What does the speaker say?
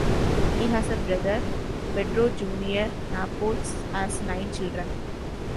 He has a brother, Pedro Junior Napoles has nine children.